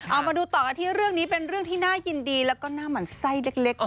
เอามาดูต่อกันที่เรื่องนี้เป็นเรื่องที่น่ายินดีแล้วก็หน้าหมั่นไส้เล็ก